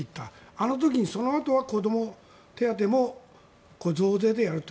あの時にそのあとは子ども手当も増税でやると。